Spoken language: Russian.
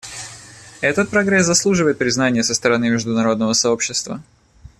Этот прогресс заслуживает признания со стороны международного сообщества.